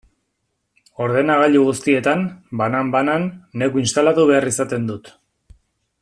Ordenagailu guztietan, banan-banan, neuk instalatu behar izaten dut.